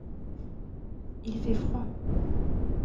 Il fait froid.